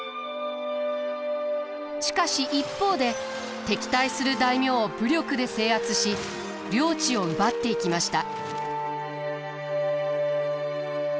しかし一方で敵対する大名を武力で制圧し領地を奪っていきました。